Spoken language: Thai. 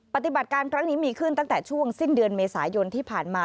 ปฏิบัติการครั้งนี้มีขึ้นตั้งแต่ช่วงสิ้นเดือนเมษายนที่ผ่านมา